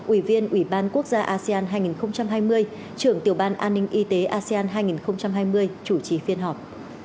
ủy viên ủy ban quốc gia asean hai nghìn hai mươi trưởng tiểu ban an ninh y tế asean hai nghìn hai mươi chủ trì phiên họp